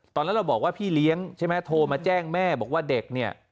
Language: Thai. ตอนนั้นเราบอกว่าพี่เลี้ยงใช่ไหมโทรมาแจ้งแม่บอกว่าเด็กเนี่ย